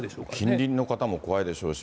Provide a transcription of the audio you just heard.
近隣の方も怖いでしょうし。